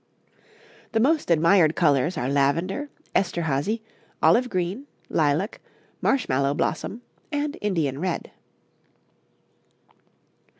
'The most admired colours are lavender, Esterhazy, olive green, lilac, marshmallow blossom, and Indian red.